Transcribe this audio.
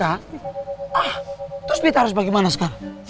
ah terus mita harus bagaimana sekarang